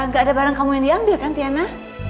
gak ada barang kamu yang diambil kan tiana